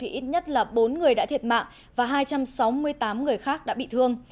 ít nhất là bốn người đã thiệt mạng và hai trăm sáu mươi tám người khác đã bị thương